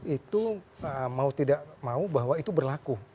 itu mau tidak mau bahwa itu berlaku